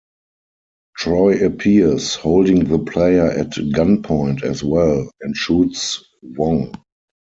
Troy appears, holding the player at gunpoint as well, and shoots Wong.